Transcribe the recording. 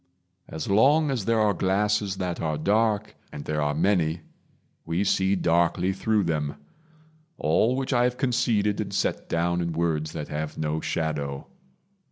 As long as there are glasses that are dark And there are many we see darkly through them; All which have I conceded and set down In words that have no shadow.